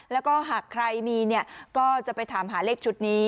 แล้วก็หากใครมีเนี่ยก็จะไปถามหาเลขชุดนี้